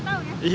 belum tahu ya